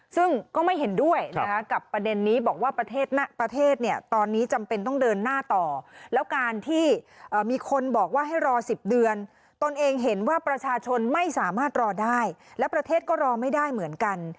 ซึ่งก็ไม่เห็นด้วยนะคะกับประเด็นนี้บอกว่าประเทศเนี่ยตอนนี้จำเป็นต้องเดินหน้าต่อแล้วการที่มีคนบอกว่าให้รอ๑๐เดือนตนเองเห็นว่าประชาชนไม่สามารถรอได้และประเทศก็รอไม่ได้เหมือนกัน